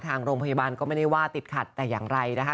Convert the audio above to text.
ทางโรงพยาบาลก็ไม่ได้ว่าติดขัดแต่อย่างไรนะคะ